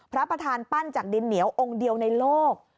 พระประธานปั้นจากดินเหนียวองค์เดียวในโลก